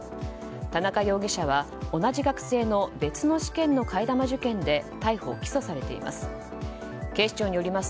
田中容疑者は同じ学生の別の試験の替え玉受験で逮捕・起訴されています。